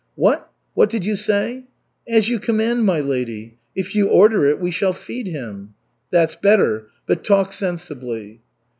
"What? What did you say?" "As you command, my lady. If you order it, we shall feed him." "That's better. But talk sensibly."